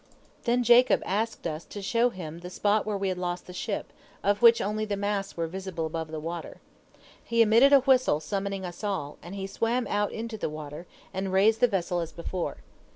Then Jacob asked us to show him the spot where we had lost the ship, of which only the masts were visible above the water. He emitted a whistle summoning us all, and he swam out into the water, and raised the vessel as before.